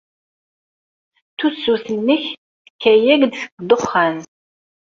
Tusut-nnek tekka-ak-d seg ddexxan.